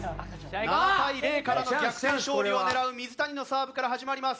７対０からの逆転勝利を狙う水谷のサーブから始まります。